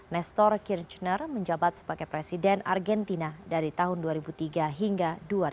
nestor kirchner menjabat sebagai presiden argentina dari tahun dua ribu tiga hingga dua ribu dua